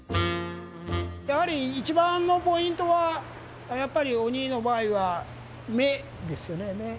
やはりいちばんのポイントはやっぱり鬼の場合は目ですよね。